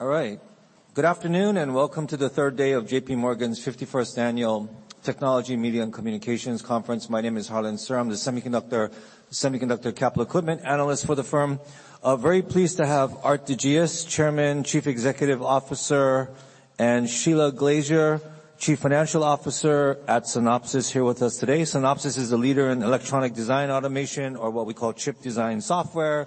All right. Good afternoon, welcome to the third day of JPMorgan's 51st Annual Technology Media and Communications Conference. My name is Harlan Sur, I'm the semiconductor capital equipment analyst for the firm. Very pleased to have Aart de Geus, Chairman, Chief Executive Officer, and Shelagh Glaser, Chief Financial Officer at Synopsys here with us today. Synopsys is a leader in electronic design automation or what we call chip design software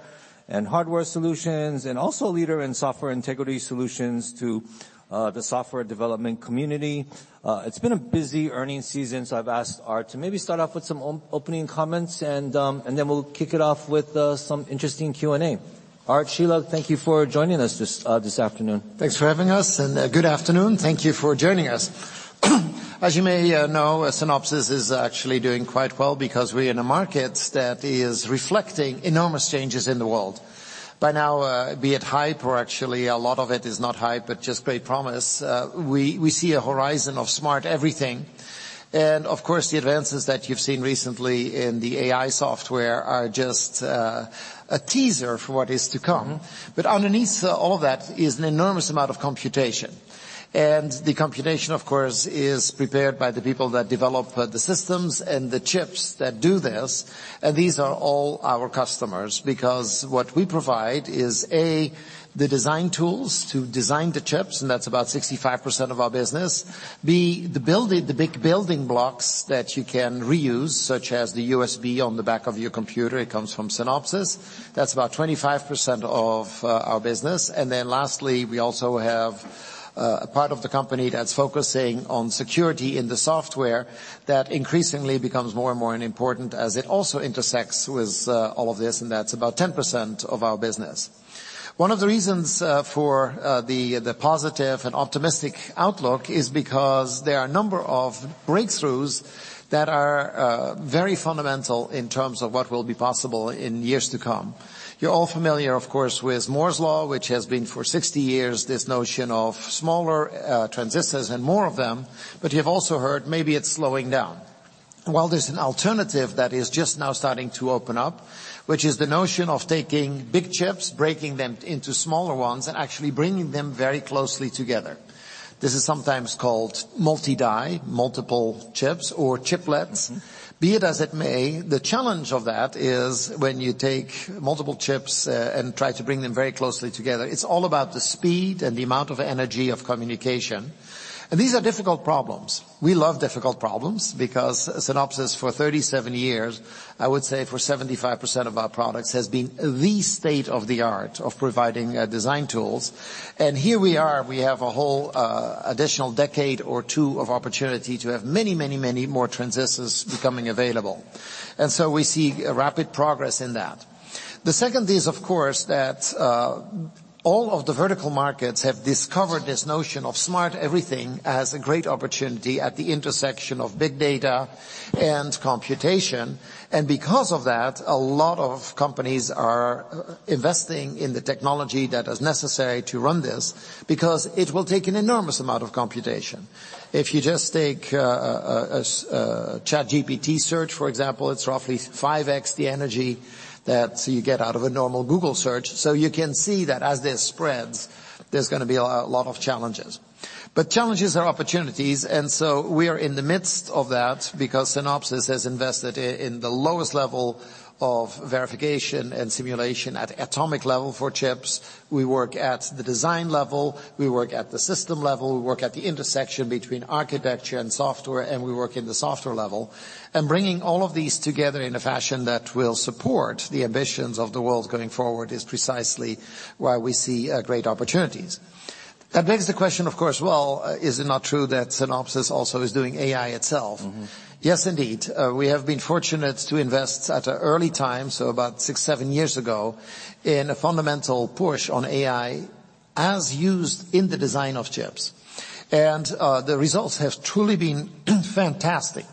and hardware solutions, also a leader in Software Integrity solutions to the software development community. It's been a busy earnings season, I've asked Aart to maybe start off with some opening comments, then we'll kick it off with some interesting Q&A. Aart, Shelagh, thank you for joining us this afternoon. Thanks for having us and good afternoon. Thank you for joining us. As you may know, Synopsys is actually doing quite well because we're in a market that is reflecting enormous changes in the world. By now, be it hype or actually a lot of it is not hype, but just great promise, we see a horizon of smart everything. Of course, the advances that you've seen recently in the AI software are just a teaser for what is to come. Mm-hmm. Underneath all that is an enormous amount of computation. The computation, of course, is prepared by the people that develop the systems and the chips that do this. These are all our customers, because what we provide is, A, the design tools to design the chips, and that's about 65% of our business. B, the big building blocks that you can reuse, such as the USB on the back of your computer, it comes from Synopsys. That's about 25% of our business. Lastly, we also have a part of the company that's focusing on security in the software that increasingly becomes more and more important as it also intersects with all of this, and that's about 10% of our business. One of the reasons for the positive and optimistic outlook is because there are a number of breakthroughs that are very fundamental in terms of what will be possible in years to come. You're all familiar, of course, with Moore's Law, which has been for 60 years, this notion of smaller transistors and more of them, but you've also heard maybe it's slowing down. There's an alternative that is just now starting to open up, which is the notion of taking big chips, breaking them into smaller ones, and actually bringing them very closely together. This is sometimes called multi-die, multiple chips or chiplets. Mm-hmm. Be it as it may, the challenge of that is when you take multiple chips and try to bring them very closely together, it's all about the speed and the amount of energy of communication. These are difficult problems. We love difficult problems because Synopsys, for 37 years, I would say for 75% of our products, has been the state-of-the-art of providing design tools. Here we are, we have a whole additional decade or two of opportunity to have many, many, many more transistors becoming available. We see rapid progress in that. The second is, of course, that all of the vertical markets have discovered this notion of smart everything as a great opportunity at the intersection of big data and computation. Because of that, a lot of companies are investing in the technology that is necessary to run this because it will take an enormous amount of computation. If you just take a ChatGPT search, for example, it's roughly 5x the energy that you get out of a normal Google search. You can see that as this spreads, there's gonna be a lot of challenges. Challenges are opportunities, and so we are in the midst of that because Synopsys has invested in the lowest level of verification and simulation at atomic level for chips. We work at the design level, we work at the system level, we work at the intersection between architecture and software, and we work in the software level. Bringing all of these together in a fashion that will support the ambitions of the world going forward is precisely why we see great opportunities. That begs the question, of course, well, is it not true that Synopsys also is doing AI itself? Mm-hmm. Yes, indeed. We have been fortunate to invest at an early time, so about six, seven years ago, in a fundamental push on AI as used in the design of chips. The results have truly been fantastic.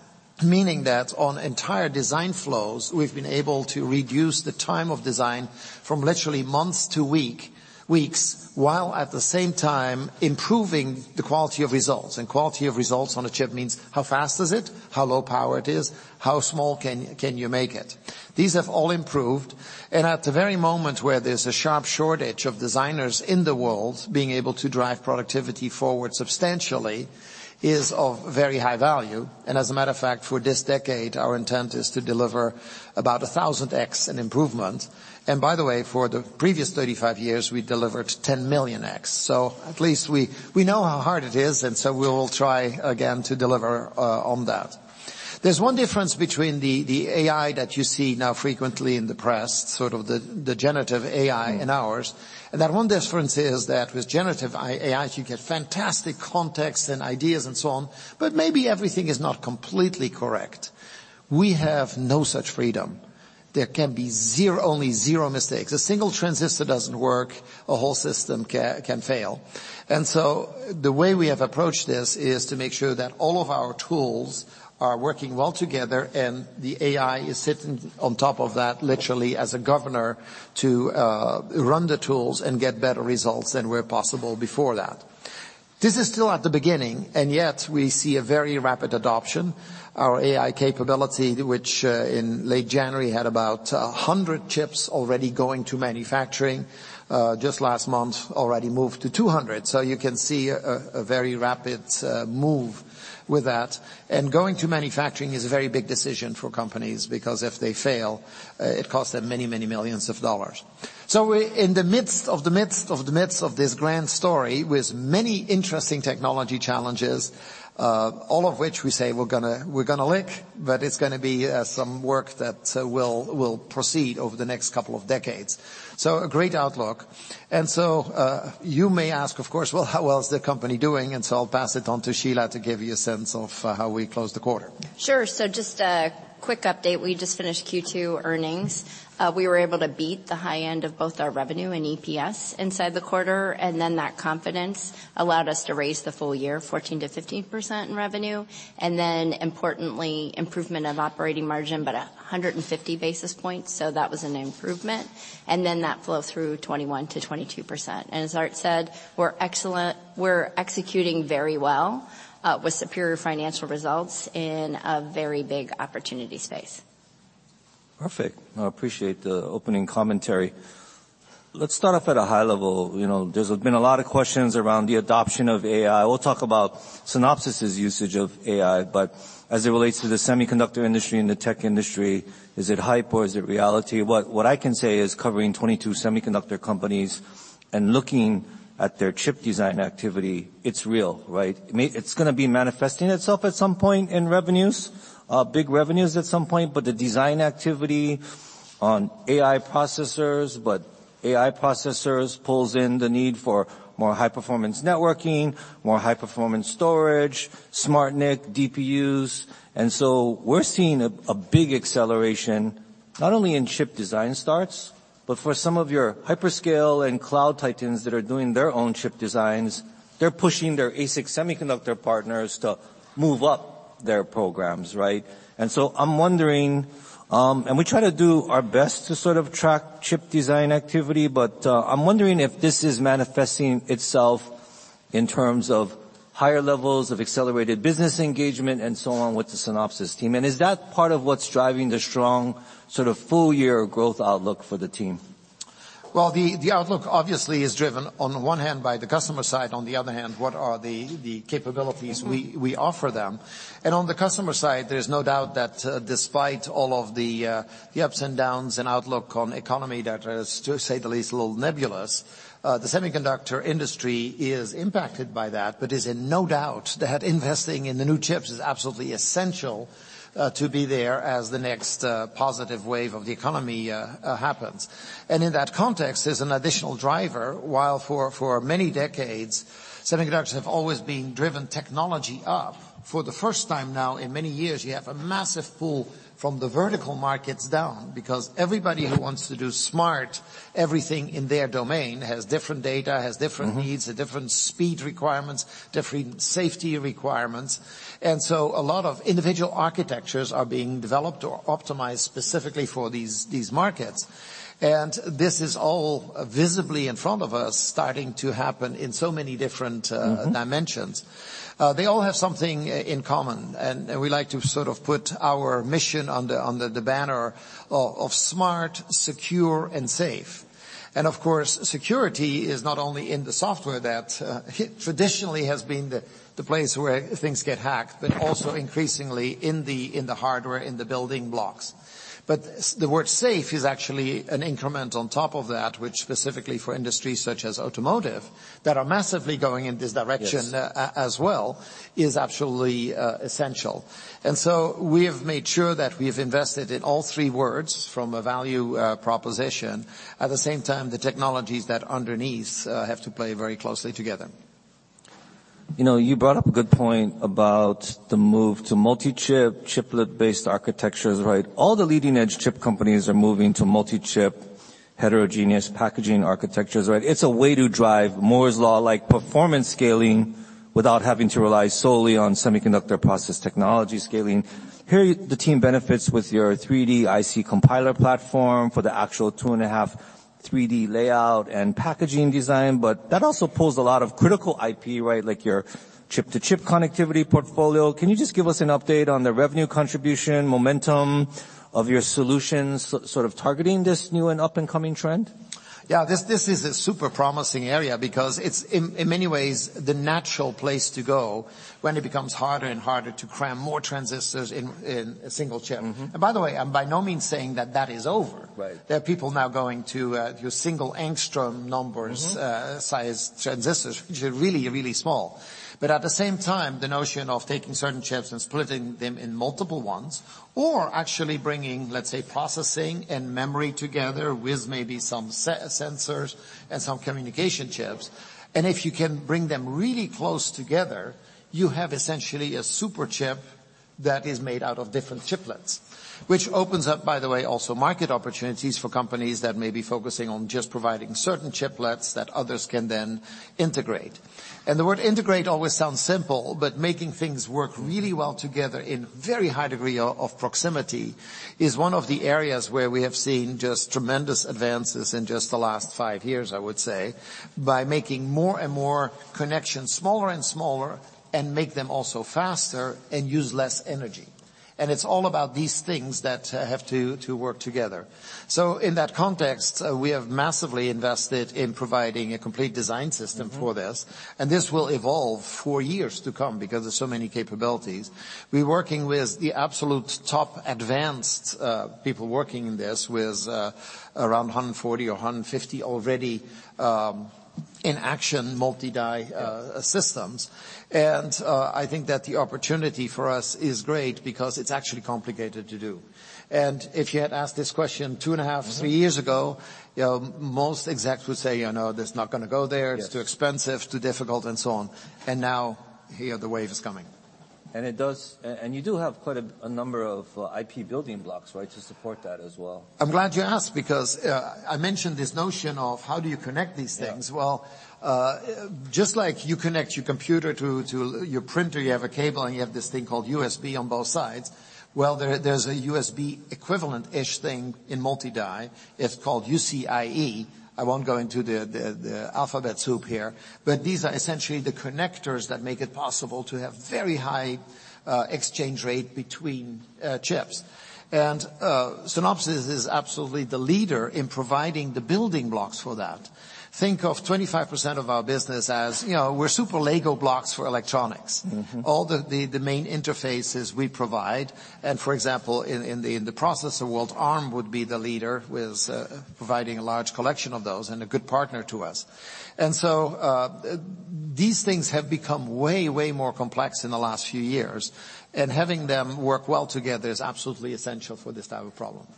Meaning that on entire design flows, we've been able to reduce the time of design from literally months to weeks, while at the same time improving the quality of results. Quality of results on a chip means how fast is it, how low power it is, how small can you make it. These have all improved. At the very moment where there's a sharp shortage of designers in the world, being able to drive productivity forward substantially is of very high value. As a matter of fact, for this decade, our intent is to deliver about 1,000x in improvement. By the way, for the previous 35 years, we delivered 10 millionx. At least we know how hard it is, we will try again to deliver on that. There's one difference between the AI that you see now frequently in the press, sort of the generative AI and ours. That one difference is that with generative AI, you get fantastic context and ideas and so on, but maybe everything is not completely correct. We have no such freedom. There can be only zero mistakes. A single transistor doesn't work, a whole system can fail. The way we have approached this is to make sure that all of our tools are working well together, and the AI is sitting on top of that, literally as a governor to run the tools and get better results than were possible before that. This is still at the beginning, and yet we see a very rapid adoption. Our AI capability, which in late January had about 100 chips already going to manufacturing, just last month already moved to 200. You can see a very rapid move with that. Going to manufacturing is a very big decision for companies because if they fail, it costs them many, many millions of dollars. We're in the midst of this grand story with many interesting technology challenges, all of which we say we're gonna lick, but it's gonna be some work that will proceed over the next couple of decades. A great outlook. You may ask, of course, "Well, how well is the company doing?" I'll pass it on to Shelagh to give you a sense of how we closed the quarter. Just a quick update. We just finished Q2 earnings. We were able to beat the high end of both our revenue and EPS inside the quarter. That confidence allowed us to raise the full year 14%-15% in revenue. Importantly, improvement of operating margin, by 150 basis points, so that was an improvement. That flow through 21%-22%. As Aart said, we're executing very well, with superior financial results in a very big opportunity space. Perfect. I appreciate the opening commentary. Let's start off at a high level. You know, there's been a lot of questions around the adoption of AI. We'll talk about Synopsys' usage of AI, but as it relates to the semiconductor industry and the tech industry, is it hype or is it reality? What I can say is covering 22 semiconductor companies and looking at their chip design activity, it's real, right? It's gonna be manifesting itself at some point in revenues, big revenues at some point, but the design activity on AI processors, but AI processors pulls in the need for more high-performance networking, more high-performance storage, SmartNIC, DPUs. We're seeing a big acceleration not only in chip design starts, but for some of your hyperscale and cloud titans that are doing their own chip designs, they're pushing their ASIC semiconductor partners to move up their programs, right? I'm wondering, and we try to do our best to sort of track chip design activity, but, I'm wondering if this is manifesting itself in terms of higher levels of accelerated business engagement and so on with the Synopsys team. Is that part of what's driving the strong sort of full-year growth outlook for the team? Well, the outlook obviously is driven on the one hand by the customer side, on the other hand, what are the capabilities. Mm-hmm. We offer them. On the customer side, there's no doubt that, despite all of the ups and downs and outlook on economy that is, to say the least, a little nebulous, the semiconductor industry is impacted by that, but is in no doubt that investing in the new chips is absolutely essential, to be there as the next positive wave of the economy happens. In that context, there's an additional driver. While for many decades, semiconductors have always been driven technology up, for the first time now in many years, you have a massive pull from the vertical markets down because everybody who wants to do smart everything in their domain has different data, has different needs. Mm-hmm. different speed requirements, different safety requirements. A lot of individual architectures are being developed or optimized specifically for these markets. This is all visibly in front of us starting to happen in so many different dimensions. They all have something in common, and we like to sort of put our mission under the banner of smart, secure, and safe. Of course, security is not only in the software that traditionally has been the place where things get hacked, but also increasingly in the hardware, in the building blocks. The word safe is actually an increment on top of that, which specifically for industries such as automotive that are massively going in this direction. Yes. as well, is absolutely essential. We have made sure that we've invested in all three words from a value proposition. At the same time, the technologies that underneath have to play very closely together. You know, you brought up a good point about the move to multi-chip, chiplet-based architectures, right? All the leading edge chip companies are moving to multi-chip heterogeneous packaging architectures, right? It's a way to drive Moore's Law-like performance scaling without having to rely solely on semiconductor process technology scaling. Here, the team benefits with your 3DIC Compiler platform for the actual 2.5D, 3D layout and packaging design, but that also pulls a lot of critical IP, right? Like your chip-to-chip connectivity portfolio. Can you just give us an update on the revenue contribution, momentum of your solutions sort of targeting this new and up-and-coming trend? Yeah. This is a super promising area because it's in many ways the natural place to go when it becomes harder and harder to cram more transistors in a single chip. Mm-hmm. By the way, I'm by no means saying that that is over. Right. There are people now going to, your single-ångström numbers. Mm-hmm. size transistors, which are really, really small. At the same time, the notion of taking certain chips and splitting them in multiple ones or actually bringing, let's say, processing and memory together with maybe some sensors and some communication chips, and if you can bring them really close together, you have essentially a super chip that is made out of different chiplets. Which opens up, by the way, also market opportunities for companies that may be focusing on just providing certain chiplets that others can then integrate. The word integrate always sounds simple, but making things work really well together in very high degree of proximity is one of the areas where we have seen just tremendous advances in just the last five years, I would say, by making more and more connections smaller and smaller and make them also faster and use less energy. It's all about these things that have to work together. In that context, we have massively invested in providing a complete design system for this, and this will evolve for years to come because there's so many capabilities. We're working with the absolute top advanced people working in this with around 140 or 150 already in action multi-die systems. I think that the opportunity for us is great because it's actually complicated to do. If you had asked this question two and a half, three years ago, you know, most execs would say, "You know, that's not gonna go there. It's too expensive, too difficult," and so on. Now here the wave is coming. You do have quite a number of IP building blocks, right? To support that as well. I'm glad you asked because, I mentioned this notion of how do you connect these things. Yeah. Well, just like you connect your computer to your printer, you have a cable, and you have this thing called USB on both sides, well, there's a USB equivalent-ish thing in multi-die. It's called UCIe. I won't go into the alphabet soup here. These are essentially the connectors that make it possible to have very high exchange rate between chips. Synopsys is absolutely the leader in providing the building blocks for that. Think of 25% of our business as, you know, we're super Lego blocks for electronics. Mm-hmm. All the main interfaces we provide. For example, in the processor world, Arm would be the leader with providing a large collection of those and a good partner to us. These things have become way more complex in the last few years, and having them work well together is absolutely essential for this type of problem.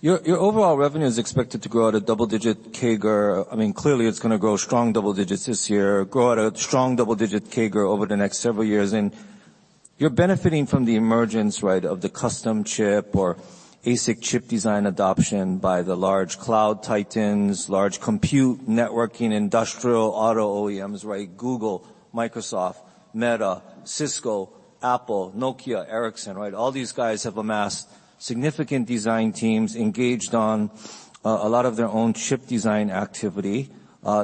Your overall revenue is expected to grow at a double-digit CAGR. I mean, clearly it's gonna grow strong double-digits this year, grow at a strong double-digit CAGR over the next several years, and you're benefiting from the emergence, right, of the custom chip or ASIC chip design adoption by the large cloud titans, large compute networking, industrial auto OEMs, right? Google, Microsoft, Meta, Cisco, Apple, Nokia, Ericsson, right? All these guys have amassed significant design teams engaged on a lot of their own chip design activity.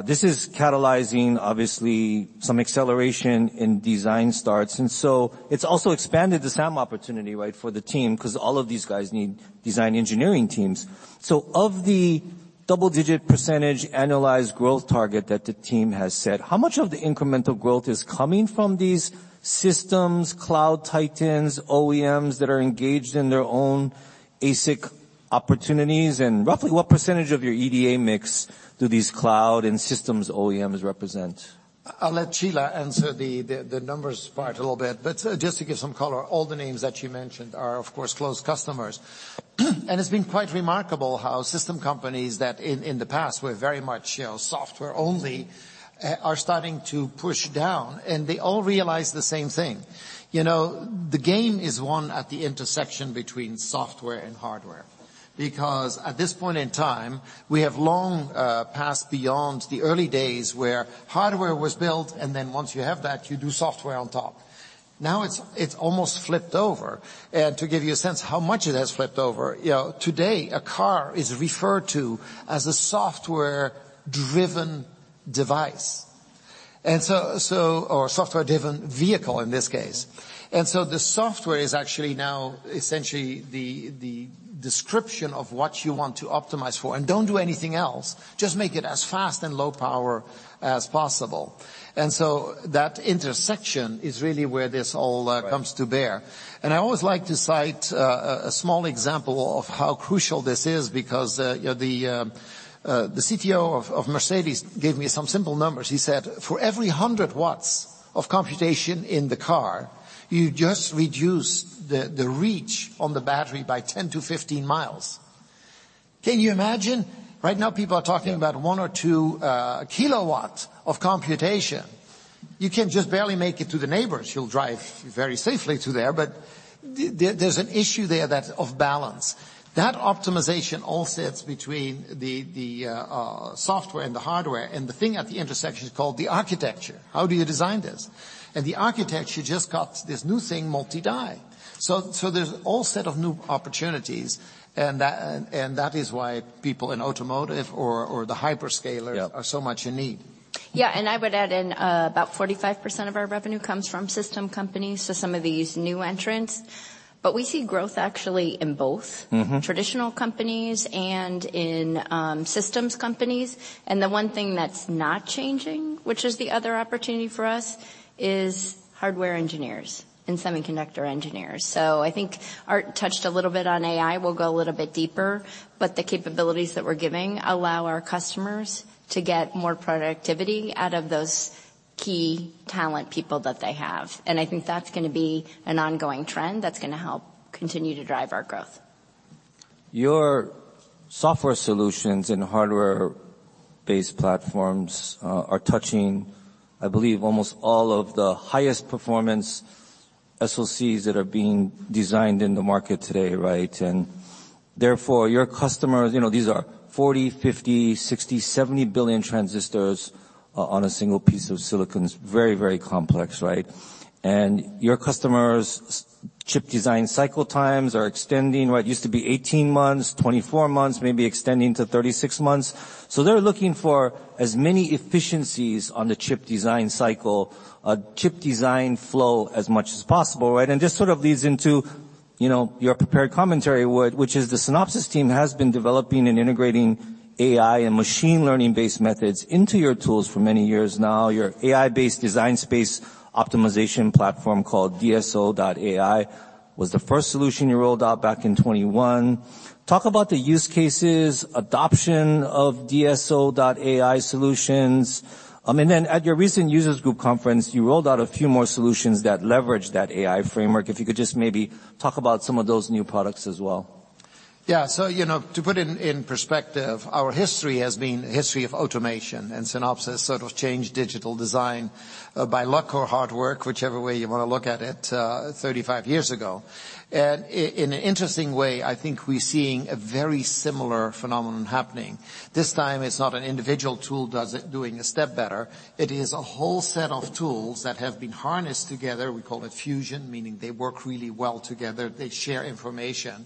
This is catalyzing obviously some acceleration in design starts. It's also expanded the same opportunity, right, for the team, 'cause all of these guys need design engineering teams. Of the double-digit % annualized growth target that the team has set, how much of the incremental growth is coming from these systems, cloud titans, OEMs that are engaged in their own ASIC opportunities? Roughly what % of your EDA mix do these cloud and systems OEMs represent? I'll let Shelagh answer the numbers part a little bit, just to give some color, all the names that you mentioned are, of course, close customers. It's been quite remarkable how system companies that in the past were very much, you know, software only, are starting to push down, and they all realize the same thing. You know, the game is won at the intersection between software and hardware. At this point in time, we have long passed beyond the early days where hardware was built, and then once you have that, you do software on top. Now it's almost flipped over. To give you a sense how much it has flipped over, you know, today a car is referred to as a software-driven device. Software-driven vehicle in this case. The software is actually now essentially the description of what you want to optimize for. Don't do anything else. Just make it as fast and low power as possible. That intersection is really where this all comes to bear. I always like to cite a small example of how crucial this is because, you know, the CTO of Mercedes-Benz gave me some simple numbers. He said, "For every 100 watts of computation in the car, you just reduce the reach on the battery by 10-15 miles." Can you imagine? Right now people are talking about one or two kilowatts of computation. You can just barely make it to the neighbors. You'll drive very safely to there, but there's an issue there that's off balance. That optimization all sits between the software and the hardware, and the thing at the intersection is called the architecture. How do you design this? The architecture just got this new thing, multi-die. There's all set of new opportunities and that is why people in automotive or the hyperscalers- Yeah ...are so much in need. Yeah. I would add in, about 45% of our revenue comes from system companies, so some of these new entrants. We see growth actually in both- Mm-hmm ...traditional companies and in systems companies. The one thing that's not changing, which is the other opportunity for us, is hardware engineers and semiconductor engineers. I think Aart touched a little bit on AI. We'll go a little bit deeper, but the capabilities that we're giving allow our customers to get more productivity out of those key talent people that they have. I think that's gonna be an ongoing trend that's gonna help continue to drive our growth. Your software solutions and hardware-based platforms are touching, I believe, almost all of the highest performance SoCs that are being designed in the market today, right? Therefore, your customers, you know, these are 40, 50, 60, 70 billion transistors on a single piece of silicon. It's very, very complex, right? Your customers' chip design cycle times are extending, what used to be 18 months, 24 months, maybe extending to 36 months. They're looking for as many efficiencies on the chip design cycle, chip design flow as much as possible, right? This sort of leads. You know, your prepared commentary would, which is the Synopsys team has been developing and integrating AI and machine learning-based methods into your tools for many years now. Your AI-based Design Space Optimization platform called DSO.ai was the first solution you rolled out back in 2021. Talk about the use cases, adoption of DSO.ai solutions. At your recent users group conference, you rolled out a few more solutions that leverage that AI framework. If you could just maybe talk about some of those new products as well? You know, to put it in perspective, our history has been a history of automation, and Synopsys sort of changed digital design by luck or hard work, whichever way you wanna look at it, 35 years ago. In an interesting way, I think we're seeing a very similar phenomenon happening. This time it's not an individual tool doing a step better, it is a whole set of tools that have been harnessed together, we call it Fusion, meaning they work really well together, they share information.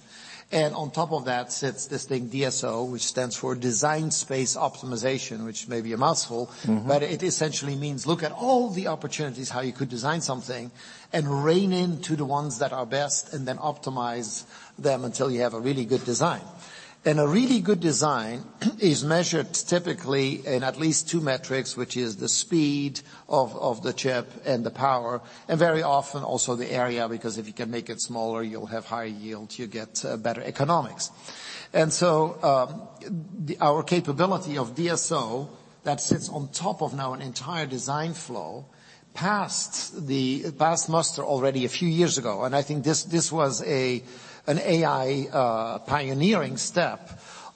On top of that sits this thing DSO, which stands for Design Space Optimization, which may be a mouthful. Mm-hmm. It essentially means look at all the opportunities how you could design something and rein into the ones that are best and then optimize them until you have a really good design. A really good design is measured typically in at least two metrics, which is the speed of the chip and the power, and very often also the area, because if you can make it smaller, you'll have higher yield, you get better economics. Our capability of DSO that sits on top of now an entire design flow passed muster already a few years ago. I think this was an AI pioneering step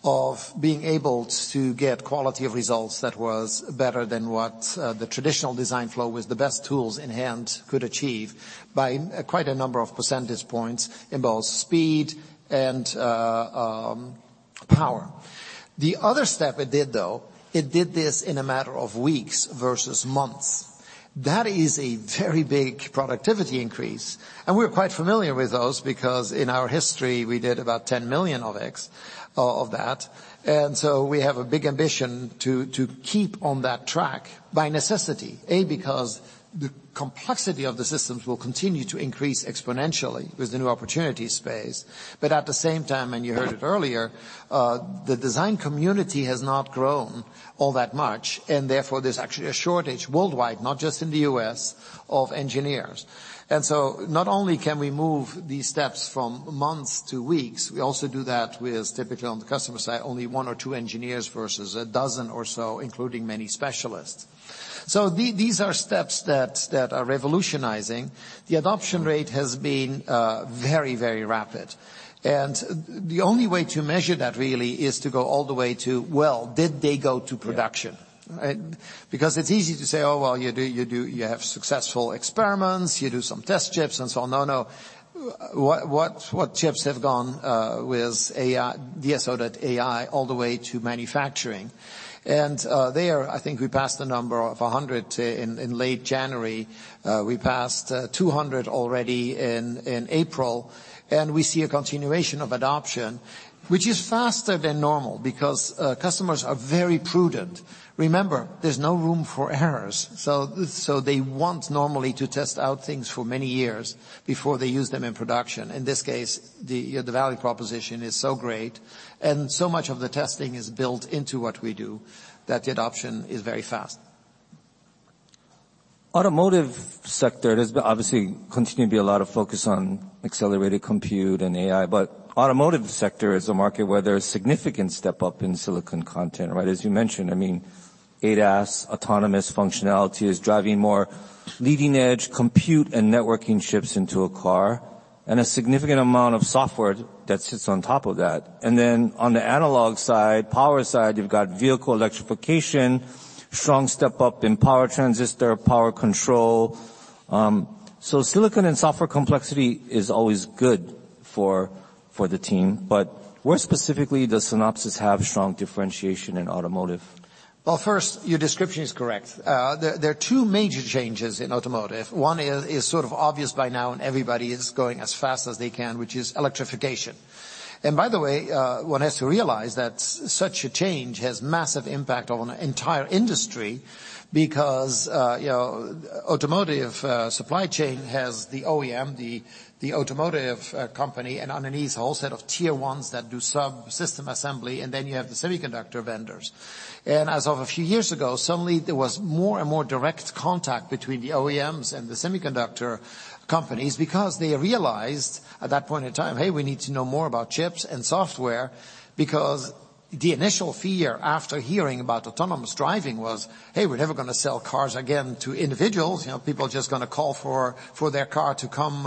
of being able to get quality of results that was better than what the traditional design flow with the best tools in hand could achieve by quite a number of percentage points in both speed and power. The other step it did though, it did this in a matter of weeks versus months. That is a very big productivity increase, and we're quite familiar with those because in our history we did about 10 million of X of that. We have a big ambition to keep on that track by necessity because the complexity of the systems will continue to increase exponentially with the new opportunity space. At the same time, you heard it earlier, the design community has not grown all that much, and therefore there's actually a shortage worldwide, not just in the U.S., of engineers. Not only can we move these steps from months to weeks, we also do that with typically on the customer side, only one or two engineers versus a dozen or so, including many specialists. These are steps that are revolutionizing. The adoption rate has been very, very rapid. The only way to measure that really is to go all the way to, well, did they go to production? Yeah. Right? Because it's easy to say, oh, well, you do have successful experiments, you do some test chips and so on. No, no. What chips have gone with AI, DSO.ai all the way to manufacturing? There, I think we passed the number of 100 in late January. We passed 200 already in April, and we see a continuation of adoption, which is faster than normal because customers are very prudent. Remember, there's no room for errors, so they want normally to test out things for many years before they use them in production. In this case, the value proposition is so great, and so much of the testing is built into what we do, that the adoption is very fast. Automotive sector, there's obviously continue to be a lot of focus on accelerated compute and AI, but automotive sector is a market where there's significant step up in silicon content, right? As you mentioned, I mean ADAS, autonomous functionality is driving more leading-edge compute and networking chips into a car and a significant amount of software that sits on top of that. On the analog side, power side, you've got vehicle electrification, strong step up in power transistor, power control. Silicon and software complexity is always good for the team. Where specifically does Synopsys have strong differentiation in automotive? Well, first, your description is correct. There are two major changes in automotive. One is sort of obvious by now, everybody is going as fast as they can, which is electrification. By the way, one has to realize that such a change has massive impact on an entire industry because, you know, automotive supply chain has the OEM, the automotive company, and underneath a whole set of Tier 1s that do sub system assembly, you have the semiconductor vendors. As of a few years ago, suddenly there was more and more direct contact between the OEMs and the semiconductor companies because they realized at that point in time, "Hey, we need to know more about chips and software." The initial fear after hearing about autonomous driving was, "Hey, we're never gonna sell cars again to individuals. You know, people are just gonna call for their car to come,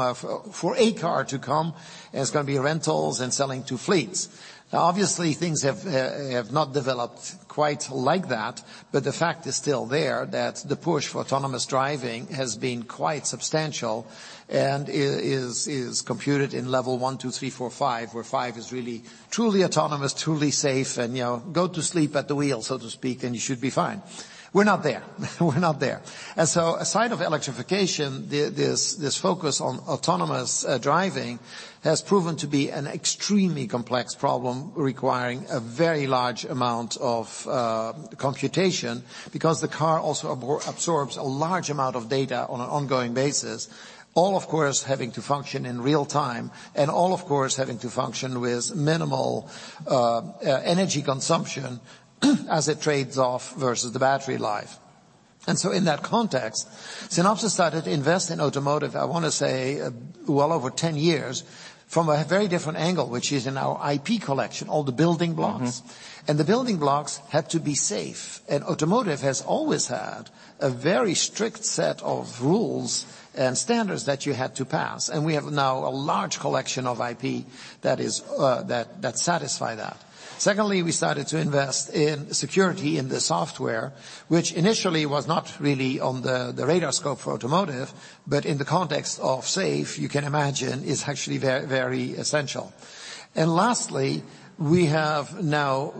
for a car to come, and it's gonna be rentals and selling to fleets." Now obviously things have not developed quite like that, but the fact is still there that the push for autonomous driving has been quite substantial and is computed in level one, two, three, four, five, where five is really truly autonomous, truly safe, and, you know, go to sleep at the wheel, so to speak, and you should be fine. We're not there. We're not there. Aside of electrification, this focus on autonomous driving has proven to be an extremely complex problem requiring a very large amount of computation because the car also absorbs a large amount of data on an ongoing basis, all of course, having to function in real time and all of course having to function with minimal energy consumption as it trades off versus the battery life. In that context, Synopsys started to invest in automotive, I want to say well over 10 years from a very different angle, which is in our IP collection, all the building blocks. Mm-hmm. The building blocks had to be safe. Automotive has always had a very strict set of rules and standards that you had to pass, and we have now a large collection of IP that satisfy that. Secondly, we started to invest in security in the software, which initially was not really on the radar scope for automotive, but in the context of safe, you can imagine, is actually very, very essential. Lastly, we have now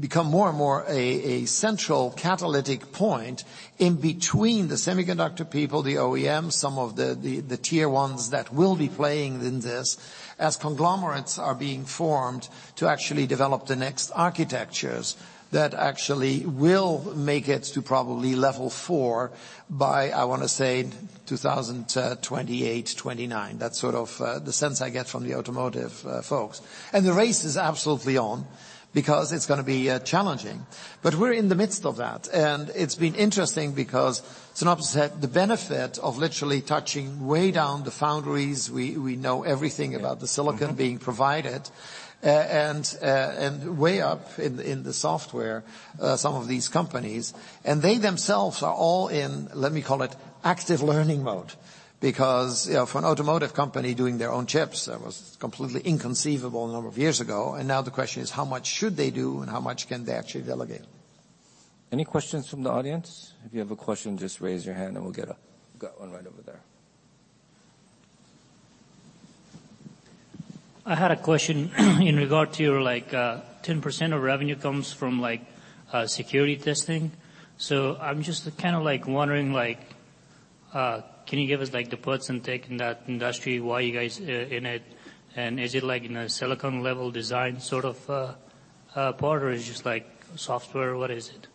become more and more a central catalytic point in between the semiconductor people, the OEMs, some of the Tier 1s that will be playing in this, as conglomerates are being formed to actually develop the next architectures that actually will make it to probably level 4 by, I wanna say, 2028, '29. That's sort of, the sense I get from the automotive, folks. The race is absolutely on because it's gonna be challenging. We're in the midst of that, and it's been interesting because Synopsys had the benefit of literally touching way down the foundries. We, we know everything about the silicon being provided. And, and way up in the software, some of these companies. They themselves are all in, let me call it, active learning mode. You know, for an automotive company doing their own chips, that was completely inconceivable a number of years ago, and now the question is, how much should they do and how much can they actually delegate? Any questions from the audience? If you have a question, just raise your hand. Got one right over there. I had a question in regard to your, like, 10% of revenue comes from, like, security testing. I'm just kind of like wondering like, can you give us like the puts and take in that industry, why you guys are in it? Is it like in a silicon level design sort of part or is it just like software? What is it?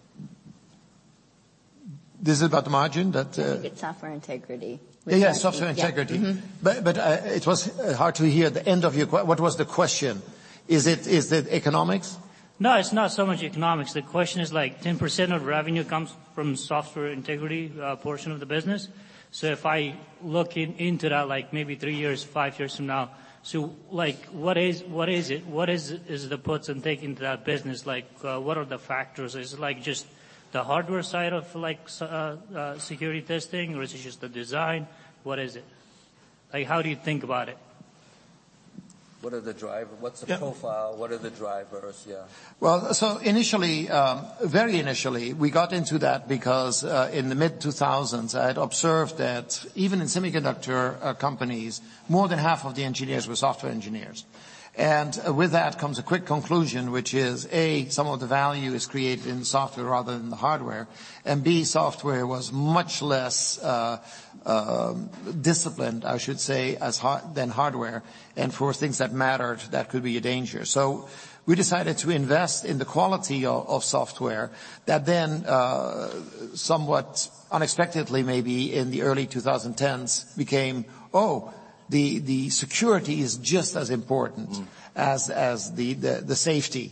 This is about margin? That. I think it's Software Integrity. Yeah, Software Integrity. Yeah. Mm-hmm. It was hard to hear the end of your. What was the question? Is it economics? No, it's not so much economics. The question is like 10% of revenue comes from Software Integrity, portion of the business. If I look into that, like maybe 3 years, 5 years from now, like what is it? What is the puts and takes into that business? Like, what are the factors? Is it like just the hardware side of like security testing or is it just the design? What is it? Like, how do you think about it? What are the driver? What's the profile? Yeah. What are the drivers? Yeah. Initially, very initially, we got into that because in the mid-2000s, I had observed that even in semiconductor companies, more than half of the engineers were software engineers. With that comes a quick conclusion, which is, A, some of the value is created in software rather than the hardware. B, software was much less disciplined, I should say, than hardware. For things that mattered, that could be a danger. We decided to invest in the quality of software that then somewhat unexpectedly, maybe in the early 2010s became, the security is just as important. Mm. as the safety.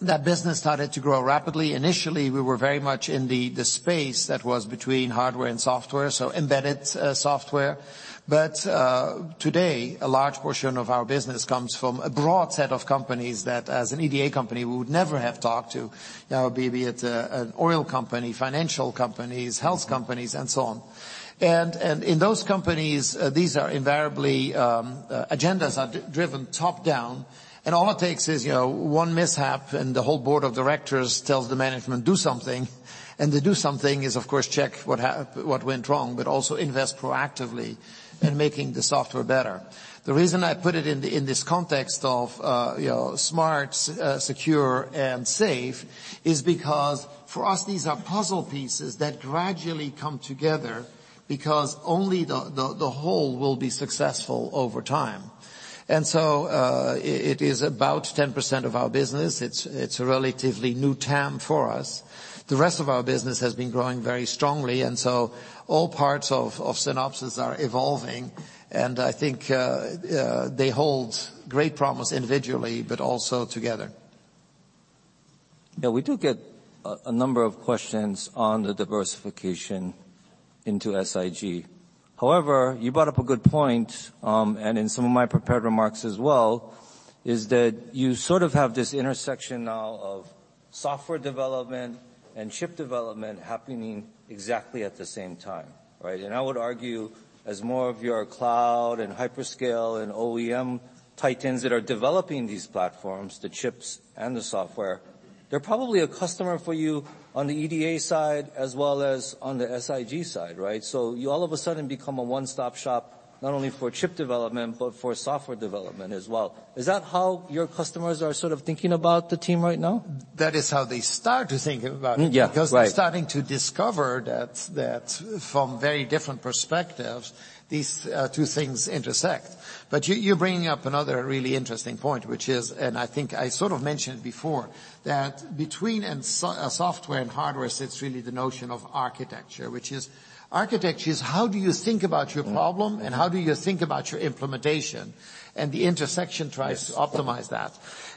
That business started to grow rapidly. Initially, we're very much in the space that was between hardware and software, so embedded software. Today, a large portion of our business comes from a broad set of companies that as an EDA company, we would never have talked to. Be it an oil company, financial companies, health companies, and so on. In those companies, these are invariably agendas are driven top-down, and all it takes is, you know, one mishap and the whole board of directors tells the management, "Do something." The "do something" is, of course, check what went wrong, but also invest proactively in making the software better. The reason I put it in this context of, you know, smart, secure, and safe, is because for us these are puzzle pieces that gradually come together because only the whole will be successful over time. It is about 10% of our business. It's a relatively new TAM for us. The rest of our business has been growing very strongly. All parts of Synopsys are evolving, and I think they hold great promise individually, but also together. Yeah, we do get a number of questions on the diversification into SIG. However, you brought up a good point, and in some of my prepared remarks as well, is that you sort of have this intersection now of software development and chip development happening exactly at the same time, right? I would argue as more of your cloud and hyperscale and OEM titans that are developing these platforms, the chips and the software, they're probably a customer for you on the EDA side as well as on the SIG side, right? You all of a sudden become a one-stop shop, not only for chip development, but for software development as well. Is that how your customers are sort of thinking about the team right now? That is how they start to think about it. Yeah, right. because they're starting to discover that from very different perspectives, these two things intersect. You, you're bringing up another really interesting point, which is, and I think I sort of mentioned before, that between a software and hardware sits really the notion of architecture, which is architecture is how do you think about your problem- Mm. How do you think about your implementation? The intersection tries to optimize that.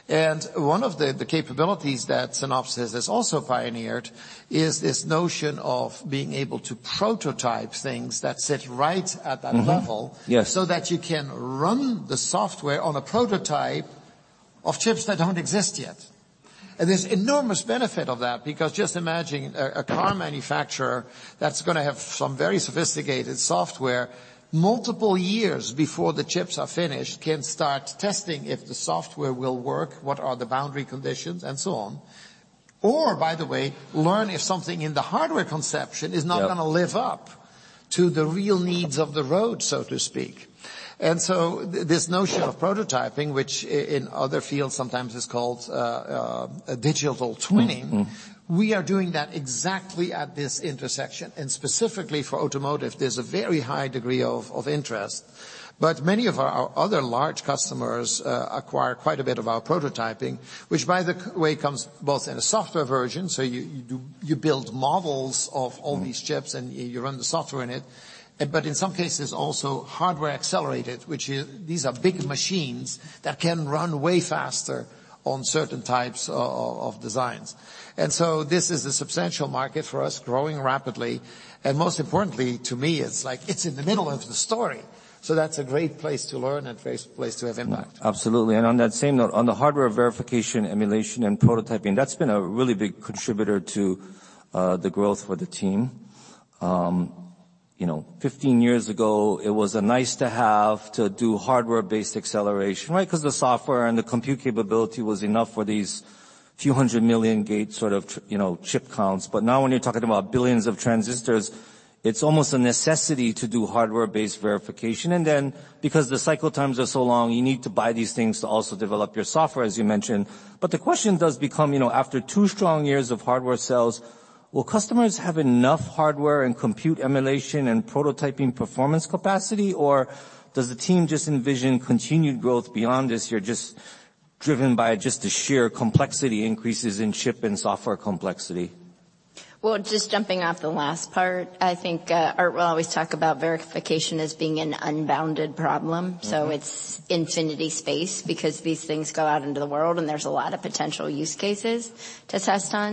Yes. One of the capabilities that Synopsys has also pioneered is this notion of being able to prototype things that sit right at that level. Mm-hmm. Yes. so that you can run the software on a prototype of chips that don't exist yet. There's enormous benefit of that because just imagine a car manufacturer that's gonna have some very sophisticated software multiple years before the chips are finished can start testing if the software will work, what are the boundary conditions and so on. By the way, learn if something in the hardware conception- Yeah. is not gonna live up to the real needs of the road, so to speak. This notion of prototyping, which in other fields sometimes is called a digital twin. Mm-hmm. We are doing that exactly at this intersection. Specifically for automotive, there's a very high degree of interest. Many of our other large customers acquire quite a bit of our prototyping, which by the way comes both in a software version, so you build models of all these chips and you run the software in it. But in some cases also hardware accelerated, which these are big machines that can run way faster on certain types of designs. This is a substantial market for us, growing rapidly, and most importantly, to me, it's like it's in the middle of the story. That's a great place to learn and place to have impact. Absolutely. On that same note, on the hardware verification, emulation, and prototyping, that's been a really big contributor to the growth for the team. You know, 15 years ago, it was a nice to have to do hardware-based acceleration, right? 'Cause the software and the compute capability was enough for these few hundred million gate sort of you know, chip counts. Now when you're talking about billions of transistors, it's almost a necessity to do hardware-based verification. Because the cycle times are so long, you need to buy these things to also develop your software, as you mentioned. The question does become, you know, after two strong years of hardware sales, will customers have enough hardware and compute emulation and prototyping performance capacity, or does the team just envision continued growth beyond this year just driven by just the sheer complexity increases in chip and software complexity? Well, just jumping off the last part, I think, Aart will always talk about verification as being an unbounded problem. Mm-hmm. It's infinity space because these things go out into the world, and there's a lot of potential use cases to test on.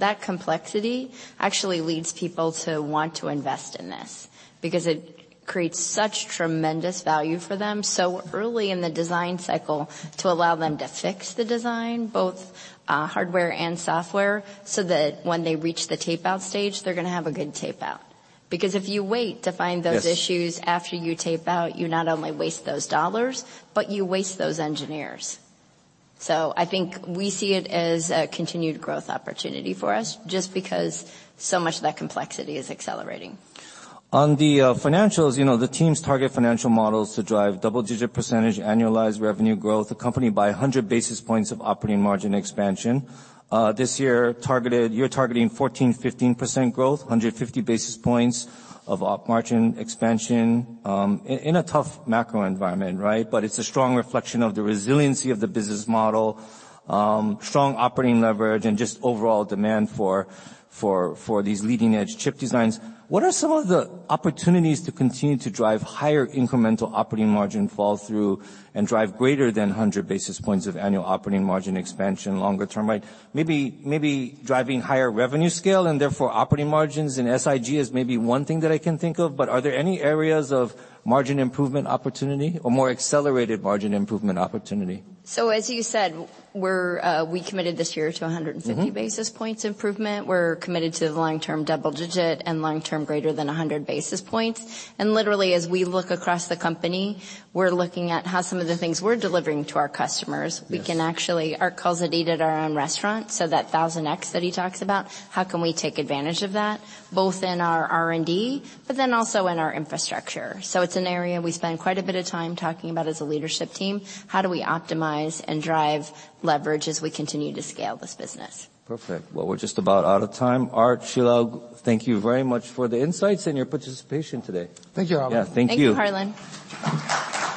That complexity actually leads people to want to invest in this because it creates such tremendous value for them so early in the design cycle to allow them to fix the design, both, hardware and software, so that when they reach the tape-out stage, they're gonna have a good tape-out. If you wait to find those issues. Yes. after you tape-out, you not only waste those dollars, but you waste those engineers. I think we see it as a continued growth opportunity for us just because so much of that complexity is accelerating. On the financials, you know, the team's target financial models to drive double-digit % annualized revenue growth accompanied by 100 basis points of operating margin expansion. This year you're targeting 14%-15% growth, 150 basis points of op margin expansion, in a tough macro environment, right? It's a strong reflection of the resiliency of the business model, strong operating leverage and just overall demand for these leading-edge chip designs. What are some of the opportunities to continue to drive higher incremental operating margin fall-through and drive greater than 100 basis points of annual operating margin expansion longer term, right? Maybe driving higher revenue scale and therefore operating margins and SIG is maybe one thing that I can think of, are there any areas of margin improvement opportunity or more accelerated margin improvement opportunity? As you said, we're committed this year to $150- Mm-hmm. basis points improvement. We're committed to the long-term double digit and long-term greater than 100 basis points. Literally, as we look across the company, we're looking at how some of the things we're delivering to our customers. Yes. we can actually, Aart calls it eating at our own restaurant, that 1,000x that he talks about, how can we take advantage of that, both in our R&D, but then also in our infrastructure? It's an area we spend quite a bit of time talking about as a leadership team, how do we optimize and drive leverage as we continue to scale this business? Perfect. Well, we're just about out of time. Aart, Shelagh, thank you very much for the insights and your participation today. Thank you, Harlan. Yeah, thank you. Thank you, Harlan.